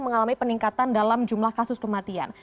mengalami peningkatan dalam jumlah kasus kematian